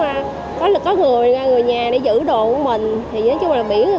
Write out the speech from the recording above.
với lại có mấy anh bảo vệ an ninh giữ trật tự